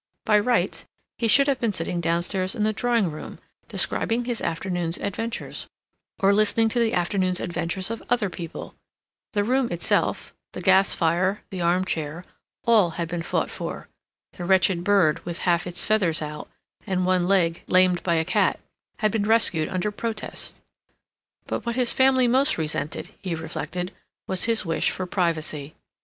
By rights, he should have been sitting downstairs in the drawing room describing his afternoon's adventures, or listening to the afternoon's adventures of other people; the room itself, the gas fire, the arm chair—all had been fought for; the wretched bird, with half its feathers out and one leg lamed by a cat, had been rescued under protest; but what his family most resented, he reflected, was his wish for privacy.